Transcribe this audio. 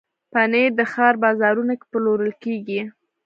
پنېر د ښار بازارونو کې پلورل کېږي.